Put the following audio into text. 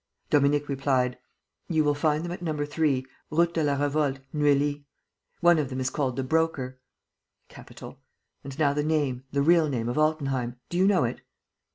Dominique replied: "You will find them at No. 3, Route de la Revolte, Neuilly. One of them is called the Broker." "Capital. And now the name, the real name of Altenheim. Do you know it?"